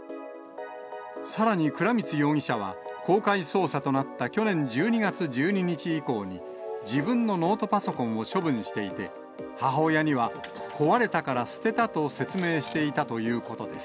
さらに倉光容疑者は、公開捜査となった去年１２月１２日以降に、自分のノートパソコンを処分していて、母親には、壊れたから捨てたと説明していたということです。